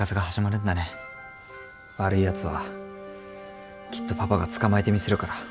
悪いやつはきっとパパが捕まえてみせるから。